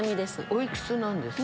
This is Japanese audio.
おいくつなんですか？